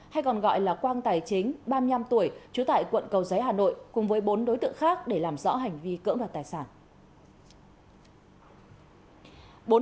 hay còn gọi là quang tài chính ba mươi năm tuổi trú tại quận cầu giấy hà nội cùng với bốn đối tượng khác để làm rõ hành vi cưỡng đoạt tài sản